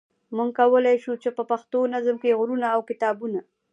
موږ کولای شو چې په پښتو نظم کې غرونه او کتابونه.